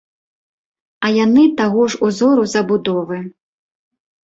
А яны таго ж узору забудовы!